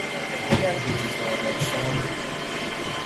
اگر هوش تو را داشتم